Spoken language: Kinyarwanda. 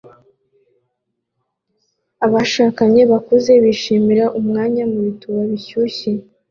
Abashakanye bakuze bishimira umwanya mubituba bishyushye